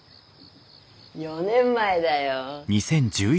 ４年前だよ。